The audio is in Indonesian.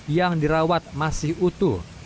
yang dirawat masih utuh